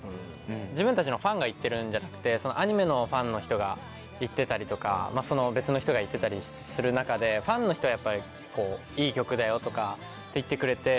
自分たちのファンが言ってるんじゃなくてアニメのファンの人が言ってたりとか別の人が言ってたりする中でファンの人はやっぱり「いい曲だよ」とかって言ってくれて。